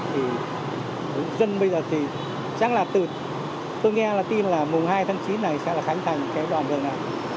thì dân bây giờ thì chắc là từ tôi nghe là tin là mùng hai tháng chín này sẽ là khánh thành cái đoạn đường này